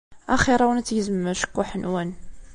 Axiṛ-awen ad tgezmem acekkuḥ-nwen.